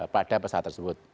pada pesawat tersebut